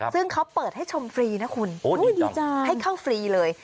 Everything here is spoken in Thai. ซึ่งเขาเปิดให้ชมฟรีนะคุณให้เข้าฟรีเลย